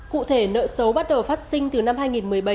cụ thể nợ xấu bắt đầu phát sinh từ năm hai nghìn một mươi bảy